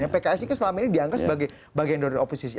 pks ini kan selama ini dianggap sebagai bagian dari oposisi